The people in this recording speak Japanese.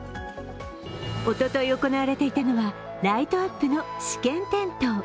おととい行われていたのは、ライトアップの試験点灯。